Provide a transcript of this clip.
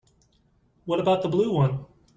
What about the blue one?